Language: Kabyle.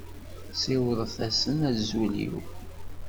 Siwḍet-asent azul-iw.